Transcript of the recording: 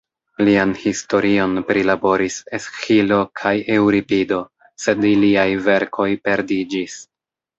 Lian historion prilaboris Esĥilo kaj Eŭripido, sed iliaj verkoj perdiĝis.